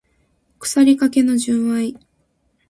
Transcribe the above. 腐りかけの純愛